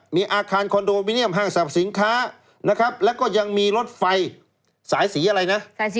มีอาคารคอนโดมิเนียมห้างสรรพสินค้านะครับแล้วก็ยังมีรถไฟสายสีอะไรนะ